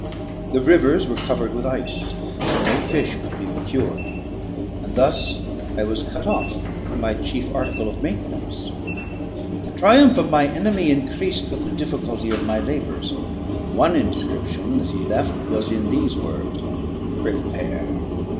The rivers were covered with ice, and no fish could be procured; and thus I was cut off from my chief article of maintenance. The triumph of my enemy increased with the difficulty of my labours. One inscription that he left was in these words: "Prepare!